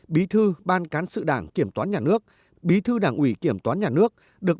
bí thư ban cán sự đảng kiểm toán nhà nước bí thư đảng ủy kiểm toán nhà nước